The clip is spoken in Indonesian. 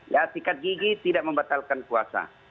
ya tingkat gigi tidak membatalkan puasa